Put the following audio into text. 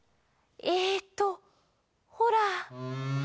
えっとほら。